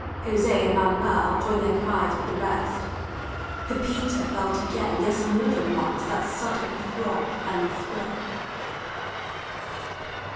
José and Manuel joined their cries with the rest. Pepita felt again yes, more than once that sudden throb and thrill.